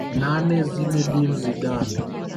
Nane Zinedine Zidane